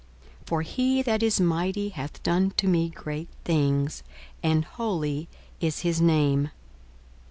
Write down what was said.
42:001:049 For he that is mighty hath done to me great things; and holy is his name.